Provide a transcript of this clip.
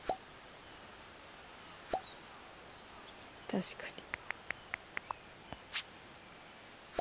確かに。